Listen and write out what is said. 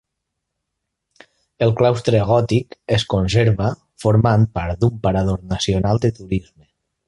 El claustre gòtic es conserva, formant part d'un parador nacional de turisme.